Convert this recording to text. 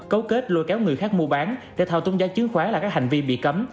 cấu kết lôi kéo người khác mua bán để thao túng giá chứng khoán là các hành vi bị cấm